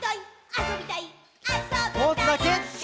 「あそびたいっ！！」